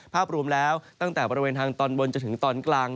ภาพรวมแล้วตั้งแต่บริเวณทางตอนบนจนถึงตอนกลาง